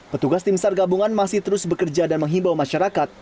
petugas tim sargabungan masih terus bekerja dan menghimbau masyarakat